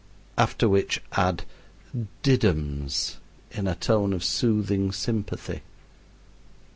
After which add "did 'ums" in a tone of soothing sympathy.